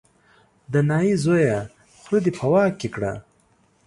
د نايي زویه خوله دې په واک کې کړه.